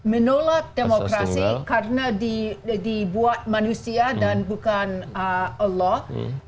menolak demokrasi karena dibuat manusia dan bukan allah